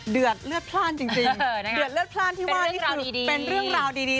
เดือดเลือดพลาดจริงจริงเดือดเลือดพลาดที่ว่าเป็นเรื่องราวดีดี